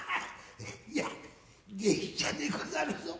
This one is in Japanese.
いや芸者でござるぞ。